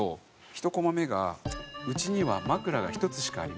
１コマ目が「うちには枕が一つしかありません」